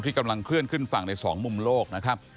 กำลังเคลื่อนขึ้นฝั่งในสองมุมโลกนะครับ